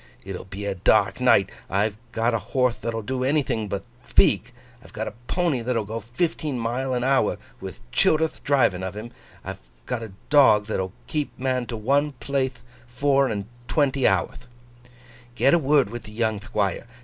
It'll be a dark night; I've got a horthe that'll do anything but thpeak; I've got a pony that'll go fifteen mile an hour with Childerth driving of him; I've got a dog that'll keep a man to one plathe four and twenty hourth. Get a word with the young Thquire.